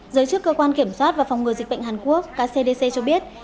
giới chức cơ quan kiểm soát và phòng ngừa dịch bệnh hàn quốc kcdc cho biết